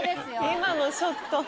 今のショット。